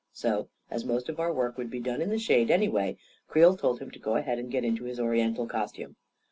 So, as most of our work would be done in the shade, anyway, Creel told him to go ahead and get into his Oriental costume.